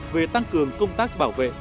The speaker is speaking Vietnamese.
về tăng cường công tác bảo vệ